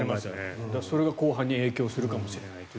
それが後半に影響するかもしれないという。